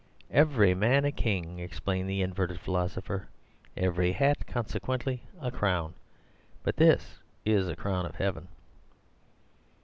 "Every man a king," explained the inverted philosopher, "every hat (consequently) a crown. But this is a crown out of heaven."